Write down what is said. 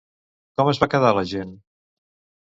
Com es va quedar la gent?